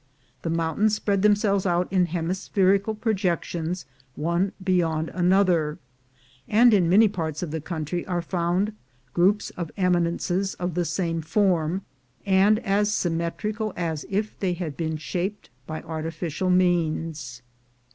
The mountains spread themselves out in hemispherical projections one beyond another; and in many parts of the country are found groups of eminences of the same form, and as symmetrical as if they had been shaped by artificial means.